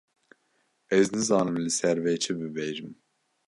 Ez nizanim li ser vê çi bibêjim.